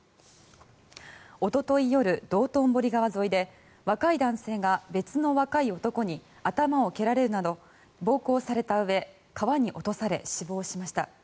おととい夜、道頓堀川沿いで若い男性が別の若い男に頭を蹴られるなど暴行されたうえ川に落とされ死亡しました。